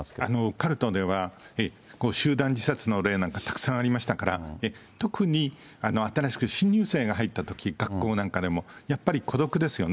カルトでは、集団自殺の例なんかたくさんありましたから、特に新しく新入生が入ったとき、学校なんかでも、やっぱり孤独ですよね。